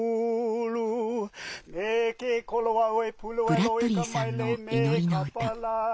ブラッドリーさんの祈りの歌。